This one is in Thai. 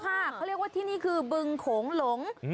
เขาเรียกว่าที่นี่คือบึงโขงหลง